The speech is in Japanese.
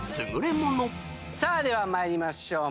さあでは参りましょう。